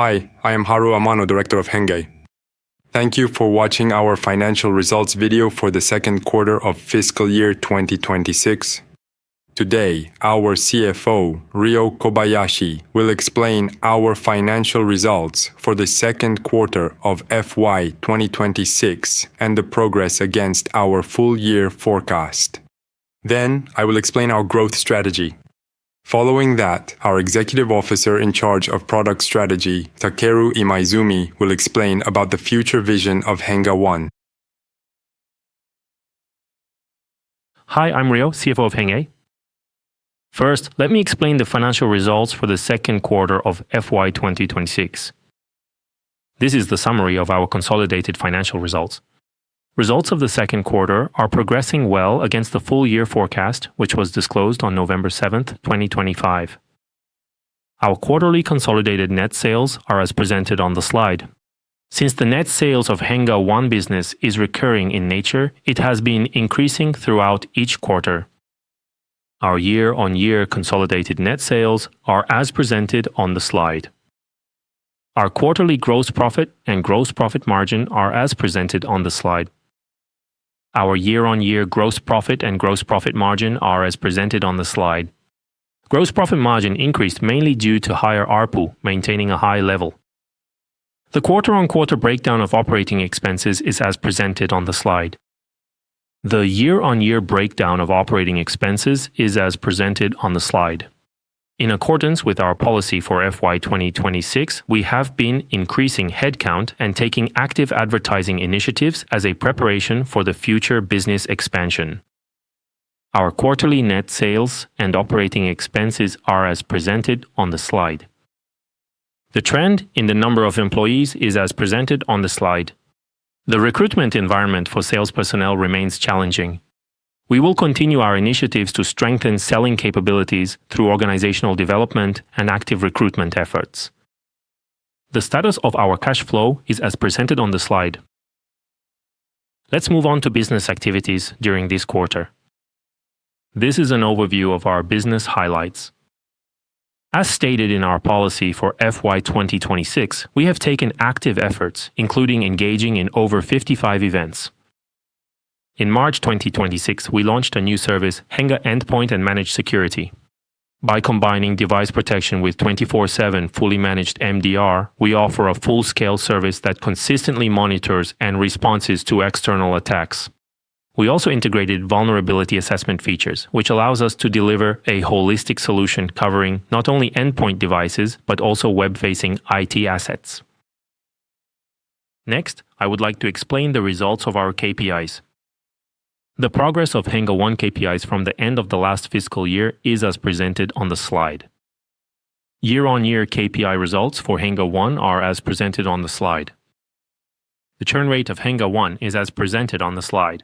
Hi, I am Haruo Amano, director of HENNGE. Thank you for watching our financial results video for the second quarter of fiscal year 2026. Today, our CFO, Ryo Kobayashi, will explain our financial results for the second quarter of FY 2026 and the progress against our full year forecast. I will explain our growth strategy. Following that, our executive officer in charge of product strategy, Takeru Imaizumi, will explain about the future vision of HENNGE One. Hi, I'm Ryo, CFO of HENNGE. First, let me explain the financial results for the second quarter of FY 2026. This is the summary of our consolidated financial results. Results of the second quarter are progressing well against the full year forecast, which was disclosed on November 7th, 2025. Our quarterly consolidated net sales are as presented on the slide. Since the net sales of HENNGE One business is recurring in nature, it has been increasing throughout each quarter. Our year-over-year consolidated net sales are as presented on the slide. Our quarterly gross profit and gross profit margin are as presented on the slide. Our year-over-year gross profit and gross profit margin are as presented on the slide. Gross profit margin increased mainly due to higher ARPU maintaining a high level. The quarter-over-quarter breakdown of operating expenses is as presented on the slide. The year-on-year breakdown of operating expenses is as presented on the slide. In accordance with our policy for FY 2026, we have been increasing headcount and taking active advertising initiatives as a preparation for the future business expansion. Our quarterly net sales and operating expenses are as presented on the slide. The trend in the number of employees is as presented on the slide. The recruitment environment for sales personnel remains challenging. We will continue our initiatives to strengthen selling capabilities through organizational development and active recruitment efforts. The status of our cash flow is as presented on the slide. Let's move on to business activities during this quarter. This is an overview of our business highlights. As stated in our policy for FY 2026, we have taken active efforts, including engaging in over 55 events. In March 2026, we launched a new service, HENNGE Endpoint & Managed Security. By combining device protection with 24/7 fully managed MDR, we offer a full-scale service that consistently monitors and responses to external attacks. We also integrated vulnerability assessment features, which allows us to deliver a holistic solution covering not only endpoint devices, but also web-facing IT assets. Next, I would like to explain the results of our KPIs. The progress of HENNGE One KPIs from the end of the last fiscal year is as presented on the slide. Year-on-year KPI results for HENNGE One are as presented on the slide. The churn rate of HENNGE One is as presented on the slide.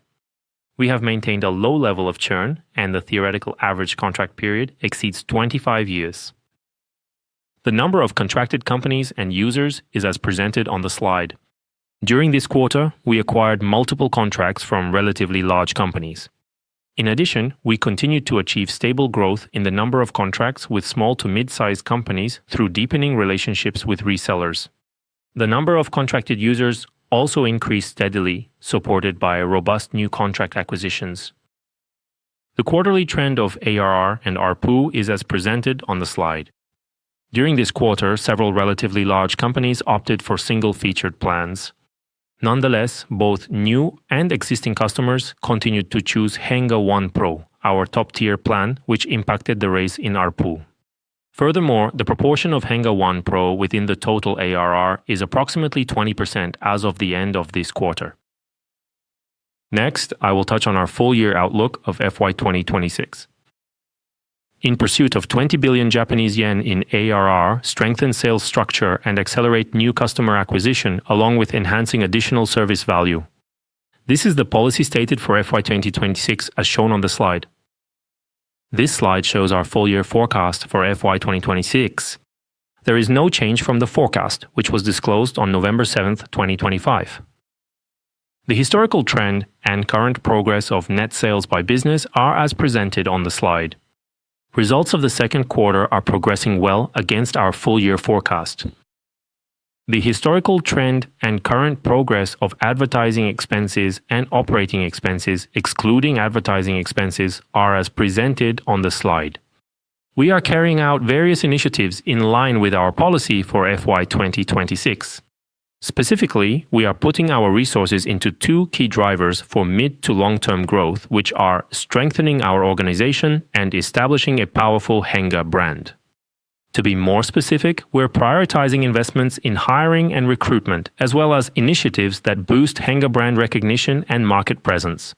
We have maintained a low level of churn, and the theoretical average contract period exceeds 25 years. The number of contracted companies and users is as presented on the slide. During this quarter, we acquired multiple contracts from relatively large companies. In addition, we continued to achieve stable growth in the number of contracts with small to mid-size companies through deepening relationships with resellers. The number of contracted users also increased steadily, supported by robust new contract acquisitions. The quarterly trend of ARR and ARPU is as presented on the slide. During this quarter, several relatively large companies opted for single-featured plans. Nonetheless, both new and existing customers continued to choose HENNGE One Pro, our top-tier plan, which impacted the raise in ARPU. Furthermore, the proportion of HENNGE One Pro within the total ARR is approximately 20% as of the end of this quarter. Next, I will touch on our full year outlook of FY 2026. In pursuit of 20 billion Japanese yen in ARR, strengthen sales structure, and accelerate new customer acquisition, along with enhancing additional service value. This is the policy stated for FY 2026, as shown on the slide. This slide shows our full year forecast for FY 2026. There is no change from the forecast, which was disclosed on November 7th, 2025. The historical trend and current progress of net sales by business are as presented on the slide. Results of the second quarter are progressing well against our full year forecast. The historical trend and current progress of advertising expenses and operating expenses, excluding advertising expenses, are as presented on the slide. We are carrying out various initiatives in line with our policy for FY 2026. Specifically, we are putting our resources into two key drivers for mid to long-term growth, which are strengthening our organization and establishing a powerful HENNGE brand. To be more specific, we're prioritizing investments in hiring and recruitment, as well as initiatives that boost HENNGE brand recognition and market presence.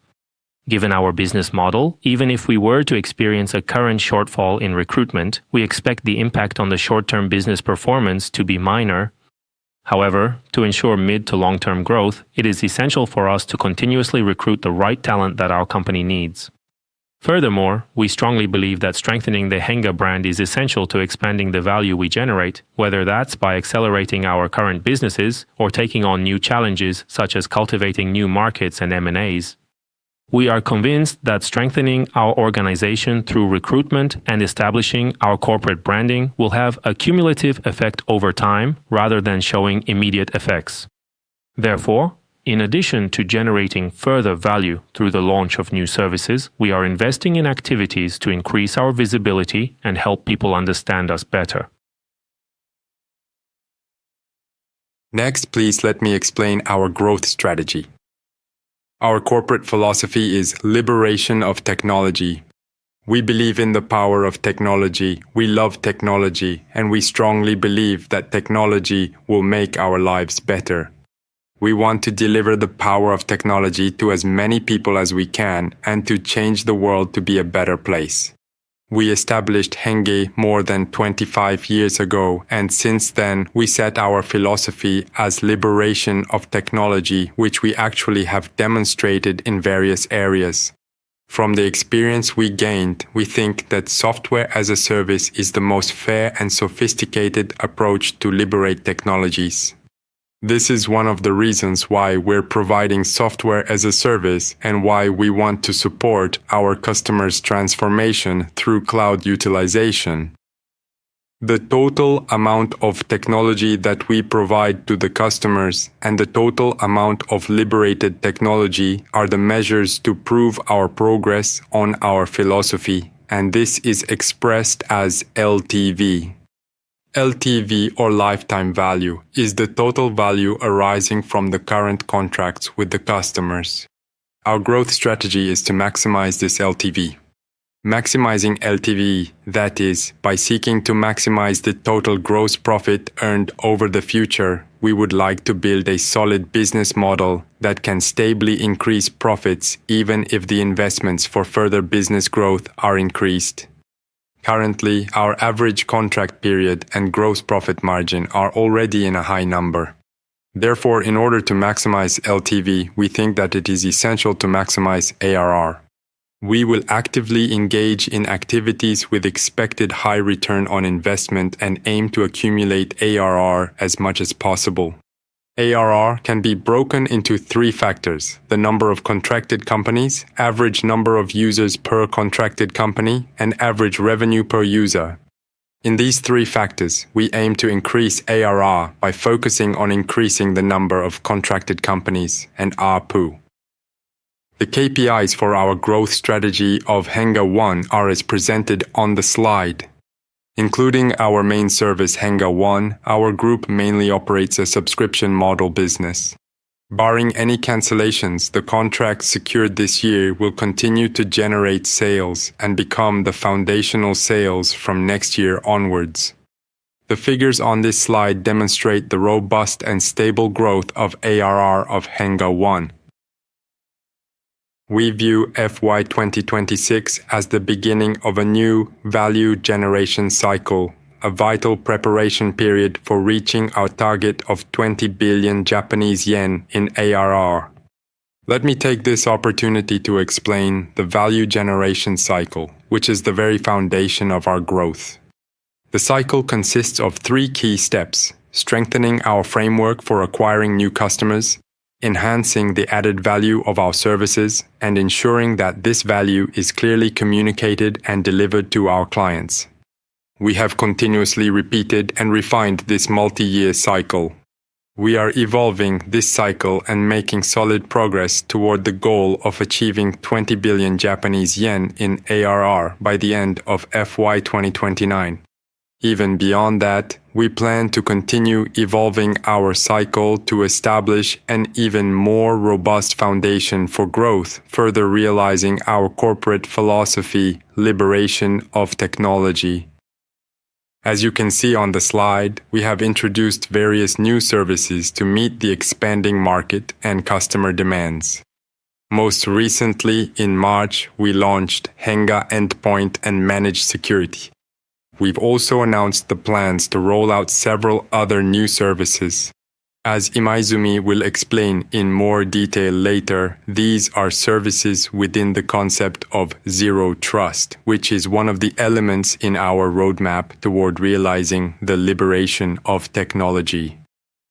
Given our business model, even if we were to experience a current shortfall in recruitment, we expect the impact on the short-term business performance to be minor. However, to ensure mid to long-term growth, it is essential for us to continuously recruit the right talent that our company needs. Furthermore, we strongly believe that strengthening the HENNGE brand is essential to expanding the value we generate, whether that's by accelerating our current businesses or taking on new challenges, such as cultivating new markets and M&As. We are convinced that strengthening our organization through recruitment and establishing our corporate branding will have a cumulative effect over time rather than showing immediate effects. In addition to generating further value through the launch of new services, we are investing in activities to increase our visibility and help people understand us better. Please let me explain our growth strategy. Our corporate philosophy is liberation of technology. We believe in the power of technology. We love technology, and we strongly believe that technology will make our lives better. We want to deliver the power of technology to as many people as we can and to change the world to be a better place. We established HENNGE more than 25 years ago, and since then, we set our philosophy as liberation of technology, which we actually have demonstrated in various areas. From the experience we gained, we think that software as a service is the most fair and sophisticated approach to liberate technologies. This is one of the reasons why we're providing software as a service and why we want to support our customers' transformation through cloud utilization. The total amount of technology that we provide to the customers and the total amount of liberated technology are the measures to prove our progress on our philosophy, and this is expressed as LTV. LTV, or lifetime value, is the total value arising from the current contracts with the customers. Our growth strategy is to maximize this LTV. Maximizing LTV, that is, by seeking to maximize the total gross profit earned over the future, we would like to build a solid business model that can stably increase profits even if the investments for further business growth are increased. Currently, our average contract period and gross profit margin are already in a high number. Therefore, in order to maximize LTV, we think that it is essential to maximize ARR. We will actively engage in activities with expected high return on investment and aim to accumulate ARR as much as possible. ARR can be broken into three factors: the number of contracted companies, average number of users per contracted company, and average revenue per user. In these three factors, we aim to increase ARR by focusing on increasing the number of contracted companies and ARPU. The KPIs for our growth strategy of HENNGE One are as presented on the slide. Including our main service, HENNGE One, our group mainly operates a subscription model business. Barring any cancellations, the contract secured this year will continue to generate sales and become the foundational sales from next year onwards. The figures on this slide demonstrate the robust and stable growth of ARR of HENNGE One. We view FY 2026 as the beginning of a new value generation cycle, a vital preparation period for reaching our target of 20 billion Japanese yen in ARR. Let me take this opportunity to explain the value generation cycle, which is the very foundation of our growth. The cycle consists of three key steps: strengthening our framework for acquiring new customers, enhancing the added value of our services, and ensuring that this value is clearly communicated and delivered to our clients. We have continuously repeated and refined this multi-year cycle. We are evolving this cycle and making solid progress toward the goal of achieving 20 billion Japanese yen in ARR by the end of FY 2029. Even beyond that, we plan to continue evolving our cycle to establish an even more robust foundation for growth, further realizing our corporate philosophy, liberation of technology. As you can see on the slide, we have introduced various new services to meet the expanding market and customer demands. Most recently, in March, we launched HENNGE Endpoint & Managed Security. We've also announced the plans to roll out several other new services. As Imaizumi will explain in more detail later, these are services within the concept of Zero Trust, which is one of the elements in our roadmap toward realizing the liberation of technology.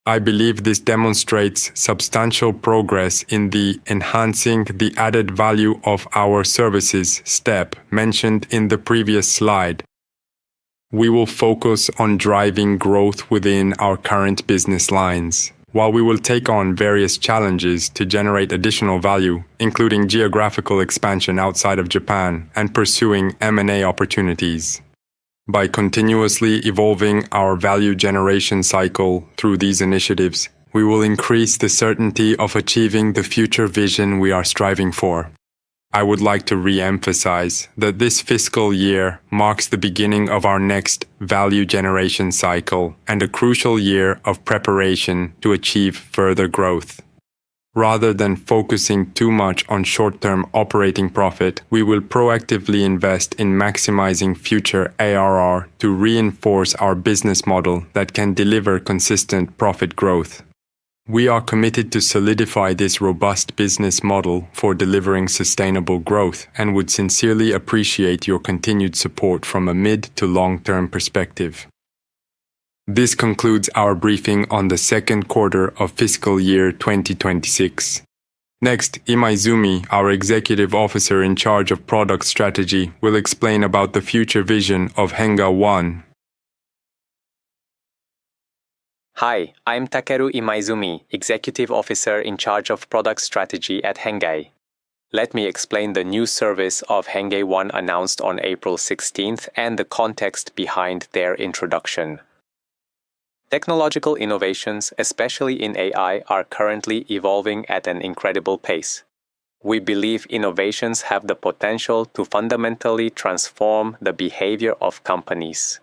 I believe this demonstrates substantial progress in the enhancing the added value of our services step mentioned in the previous slide. We will focus on driving growth within our current business lines, while we will take on various challenges to generate additional value, including geographical expansion outside of Japan and pursuing M&A opportunities. By continuously evolving our value generation cycle through these initiatives, we will increase the certainty of achieving the future vision we are striving for. I would like to reemphasize that this fiscal year marks the beginning of our next value generation cycle and a crucial year of preparation to achieve further growth. Rather than focusing too much on short-term operating profit, we will proactively invest in maximizing future ARR to reinforce our business model that can deliver consistent profit growth. We are committed to solidify this robust business model for delivering sustainable growth and would sincerely appreciate your continued support from a mid to long-term perspective. This concludes our briefing on the second quarter of fiscal year 2026. Next, Imaizumi, our Executive Officer in charge of Product Strategy, will explain about the future vision of HENNGE One. Hi, I'm Takeru Imaizumi, Executive Officer in charge of Product Strategy at HENNGE. Let me explain the new service of HENNGE One announced on April 16th and the context behind their introduction. Technological innovations, especially in AI, are currently evolving at an incredible pace. We believe innovations have the potential to fundamentally transform the behavior of companies.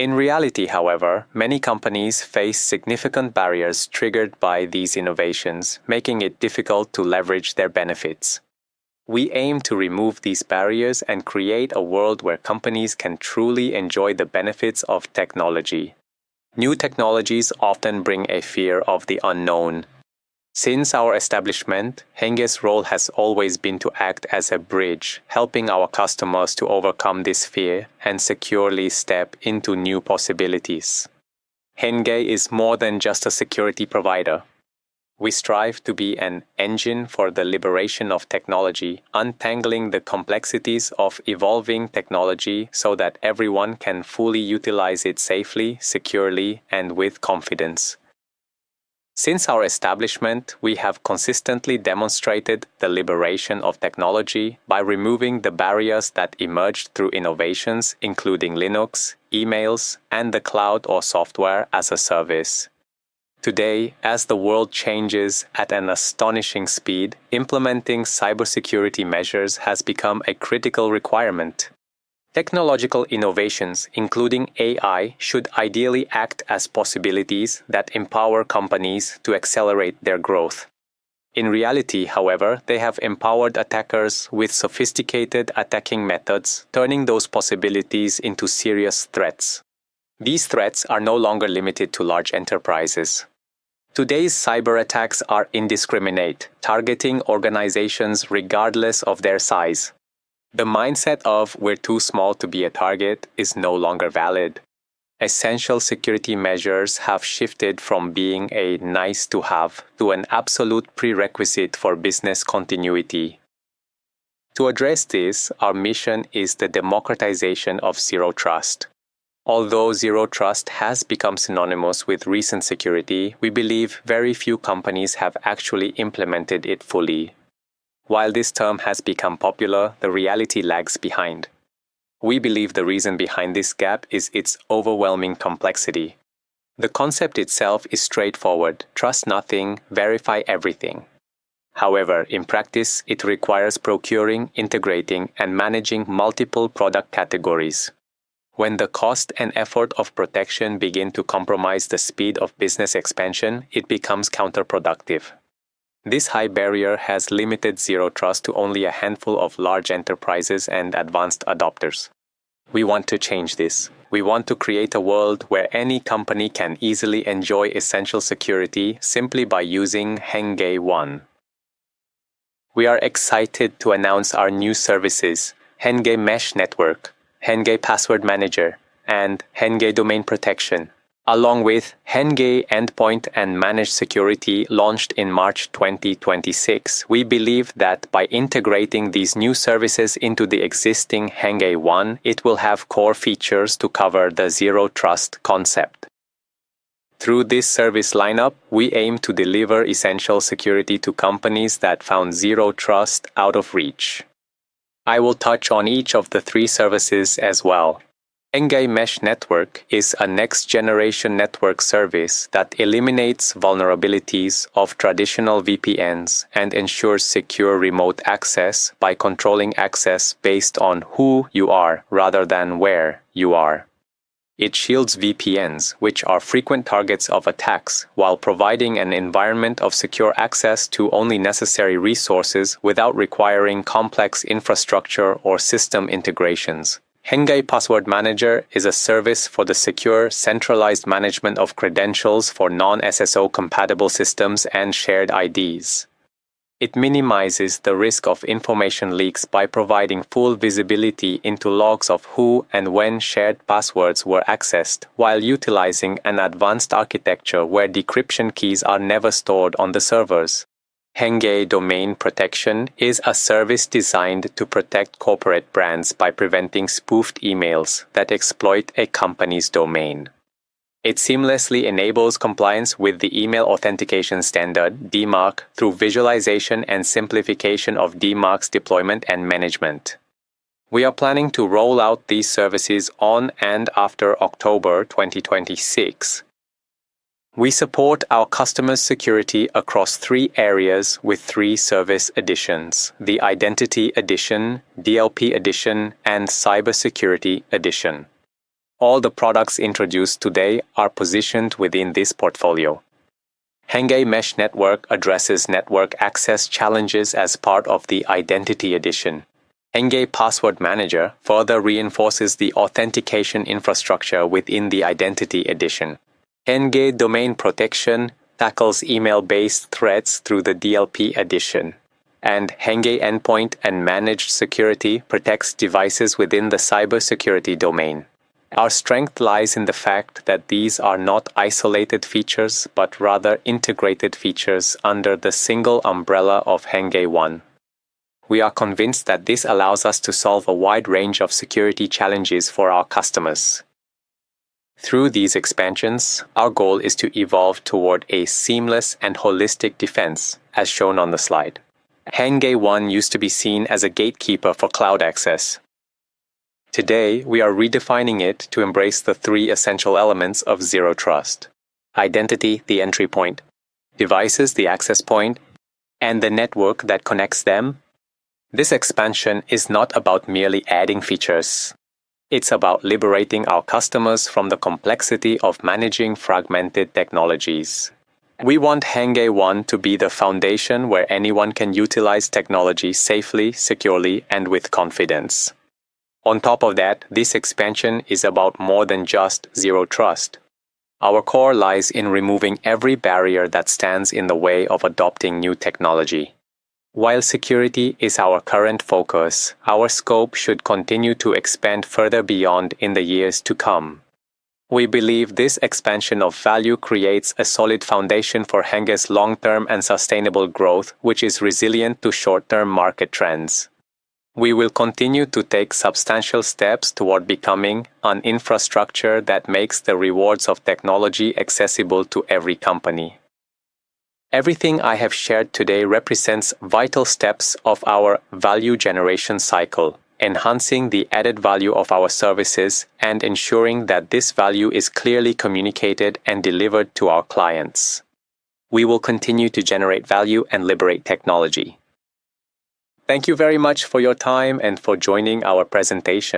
In reality, however, many companies face significant barriers triggered by these innovations, making it difficult to leverage their benefits. We aim to remove these barriers and create a world where companies can truly enjoy the benefits of technology. New technologies often bring a fear of the unknown. Since our establishment, HENNGE's role has always been to act as a bridge, helping our customers to overcome this fear and securely step into new possibilities. HENNGE is more than just a security provider. We strive to be an engine for the liberation of technology, untangling the complexities of evolving technology so that everyone can fully utilize it safely, securely, and with confidence. Since our establishment, we have consistently demonstrated the liberation of technology by removing the barriers that emerged through innovations including Linux, emails, and the cloud or software as a service. Today, as the world changes at an astonishing speed, implementing cybersecurity measures has become a critical requirement. Technological innovations, including AI, should ideally act as possibilities that empower companies to accelerate their growth. In reality, however, they have empowered attackers with sophisticated attacking methods, turning those possibilities into serious threats. These threats are no longer limited to large enterprises. Today's cyber-attacks are indiscriminate, targeting organizations regardless of their size. The mindset of "We're too small to be a target" is no longer valid. Essential security measures have shifted from being a nice-to-have to an absolute prerequisite for business continuity. To address this, our mission is the democratization of Zero Trust. Zero Trust has become synonymous with recent security, we believe very few companies have actually implemented it fully. While this term has become popular, the reality lags behind. We believe the reason behind this gap is its overwhelming complexity. The concept itself is straightforward: trust nothing, verify everything. However, in practice, it requires procuring, integrating, and managing multiple product categories. When the cost and effort of protection begin to compromise the speed of business expansion, it becomes counterproductive. This high barrier has limited Zero Trust to only a handful of large enterprises and advanced adopters. We want to change this. We want to create a world where any company can easily enjoy essential security simply by using HENNGE One. We are excited to announce our new services, HENNGE Mesh Network, HENNGE Password Manager, and HENNGE Domain Protection. Along with HENNGE Endpoint & Managed Security launched in March 2026, we believe that by integrating these new services into the existing HENNGE one, it will have core features to cover the Zero Trust concept. Through this service lineup, we aim to deliver essential security to companies that found Zero Trust out of reach. I will touch on each of the three services as well. HENNGE Mesh Network is a next-generation network service that eliminates vulnerabilities of traditional VPNs and ensures secure remote access by controlling access based on who you are rather than where you are. It shields VPNs, which are frequent targets of attacks, while providing an environment of secure access to only necessary resources without requiring complex infrastructure or system integrations. HENNGE Password Manager is a service for the secure centralized management of credentials for non-SSO compatible systems and shared IDs. It minimizes the risk of information leaks by providing full visibility into logs of who and when shared passwords were accessed while utilizing an advanced architecture where decryption keys are never stored on the servers. HENNGE Domain Protection is a service designed to protect corporate brands by preventing spoofed emails that exploit a company's domain. It seamlessly enables compliance with the email authentication standard DMARC through visualization and simplification of DMARC's deployment and management. We are planning to roll out these services on and after October 2026. We support our customers' security across three areas with three service editions: the Identity Edition, DLP Edition, and Cybersecurity Edition. All the products introduced today are positioned within this portfolio. HENNGE Mesh Network addresses network access challenges as part of the Identity Edition. HENNGE Password Manager further reinforces the authentication infrastructure within the Identity Edition. HENNGE Domain Protection tackles email-based threats through the DLP Edition. HENNGE Endpoint & Managed Security protects devices within the cybersecurity domain. Our strength lies in the fact that these are not isolated features, but rather integrated features under the single umbrella of HENNGE One. We are convinced that this allows us to solve a wide range of security challenges for our customers. Through these expansions, our goal is to evolve toward a seamless and holistic defense as shown on the slide. HENNGE One used to be seen as a gatekeeper for cloud access. Today, we are redefining it to embrace the three essential elements of Zero Trust. Identity, the entry point. Devices, the access point, and the network that connects them. This expansion is not about merely adding features. It's about liberating our customers from the complexity of managing fragmented technologies. We want HENNGE One to be the foundation where anyone can utilize technology safely, securely, and with confidence. On top of that, this expansion is about more than just Zero Trust. Our core lies in removing every barrier that stands in the way of adopting new technology. While security is our current focus, our scope should continue to expand further beyond in the years to come. We believe this expansion of value creates a solid foundation for HENNGE's long-term and sustainable growth, which is resilient to short-term market trends. We will continue to take substantial steps toward becoming an infrastructure that makes the rewards of technology accessible to every company. Everything I have shared today represents vital steps of our value generation cycle, enhancing the added value of our services and ensuring that this value is clearly communicated and delivered to our clients. We will continue to generate value and liberate technology. Thank you very much for your time and for joining our presentation.